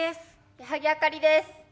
矢作あかりです。